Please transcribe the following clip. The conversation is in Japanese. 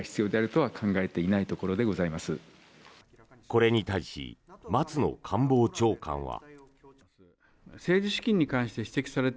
これに対し松野官房長官は。